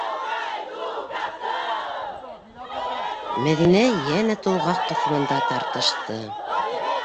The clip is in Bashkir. - Мәҙинә йәнә тулғаҡ ҡыҫымында тартышты.